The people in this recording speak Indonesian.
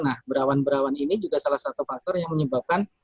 nah berawan berawan ini juga salah satu faktor yang menyebabkan